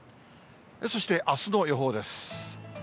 そして、あすの予報です。